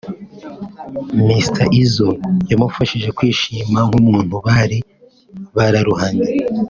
M Izzo yamufashije kwishima nk’umuntu bari bararuhanye